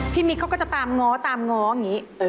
พี่มิกเขาก็จะตามง้ออย่างนี้